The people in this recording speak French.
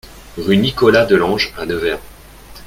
Rue Nicolas Delange à Nevers